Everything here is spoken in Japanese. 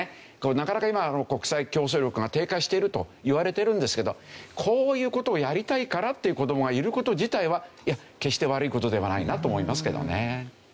なかなか今国際競争力が低下しているといわれてるんですけどこういう事をやりたいからっていう子どもがいる事自体は決して悪い事ではないなと思いますけどね。